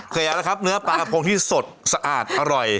เคยเอาแล้วครับเนื้อปลากระพงที่สดสะอาดอร่อย